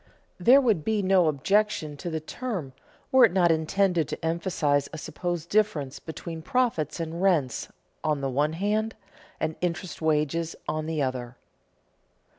There would be no objection to the term were it not intended to emphasize a supposed difference between profits and rents on the one hand and interest wages on the other.